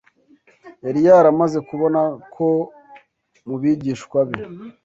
yari yaramaze kubona ko mu bigishwa be